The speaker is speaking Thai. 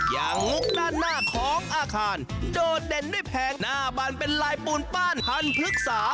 มุกด้านหน้าของอาคารโดดเด่นด้วยแผงหน้าบันเป็นลายปูนป้านหันพฤกษา